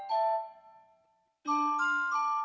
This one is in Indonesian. ini mbak mbak ketinggalan